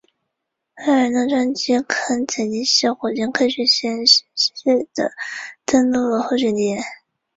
文格尔卡市镇是俄罗斯联邦伊尔库茨克州泰舍特区所属的一个市镇。